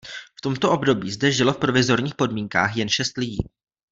V tomto období zde žilo v provizorních podmínkách jen šest lidí.